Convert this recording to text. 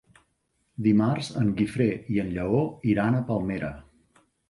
Dimarts en Guifré i en Lleó iran a Palmera.